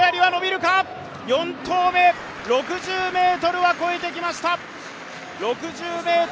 ４投目６０ｍは越えてきましたが。